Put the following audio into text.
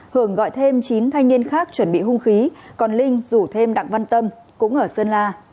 hưởng gọi thêm chín thanh niên khác chuẩn bị hung khí còn linh rủ thêm đặng văn tâm cũng ở sơn la